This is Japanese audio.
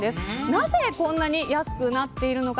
なぜこんなに安くなっているのか。